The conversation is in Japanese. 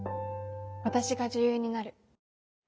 私が女優になる。